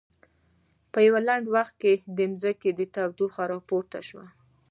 په یوه لنډ وخت کې د ځمکې تودوخه پورته شوه.